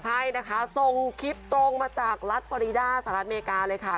ใช่นะคะส่งคลิปตรงมาจากรัฐฟอรีด้าสหรัฐอเมริกาเลยค่ะ